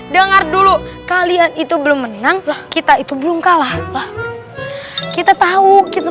dengar dulu kalian itu belum menang kita itu belum kalah kita tahu kita